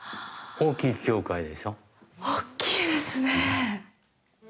おっきいですね。